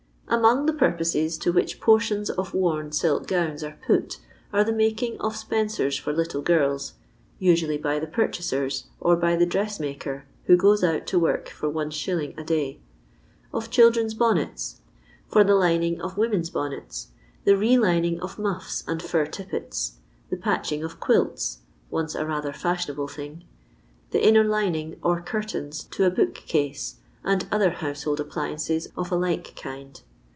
* Among the purposes to which portions of worn iilk gowns are put are the making of spencers fat liule girls (usually by the purchasers, or by the dices maker, who goes out to work for Is. a day), of children's bonnets, for the lining of women's bonnets, the re lining of mufib and fur tippets, the patching of quilts (once a rather fiuhioiiable thing), the inner lining or curtains to a book ease, and other household appliances of a like kind.